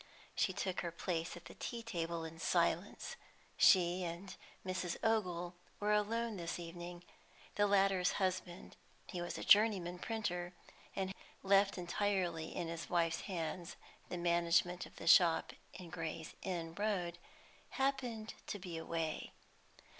She took her place at the tea table in silence. She and Mrs. Ogle were alone this evening; the latter's husband he was a journeyman printer, and left entirely in his wife's hands the management of the shop in Gray's Inn Road happened to be away.